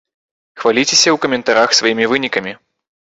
Хваліцеся ў каментарах сваімі вынікамі!